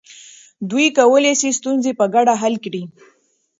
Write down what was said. دوی کولی سي ستونزې په ګډه حل کړي.